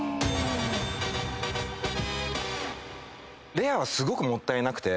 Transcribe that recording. レアはすごくもったいなくて。